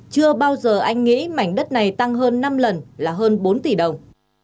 chưa bao giờ anh nghĩ mảnh đất này tăng hơn năm lần là hơn bốn tỷ đồng